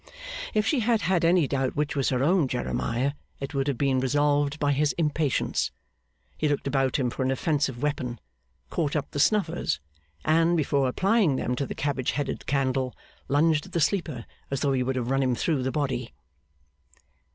If she had had any doubt which was her own Jeremiah, it would have been resolved by his impatience. He looked about him for an offensive weapon, caught up the snuffers, and, before applying them to the cabbage headed candle, lunged at the sleeper as though he would have run him through the body.